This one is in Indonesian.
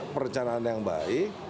perencanaan yang baik